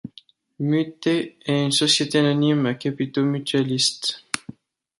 Mutex est une société anonyme à capitaux mutualistes.